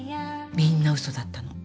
みんなウソだったの。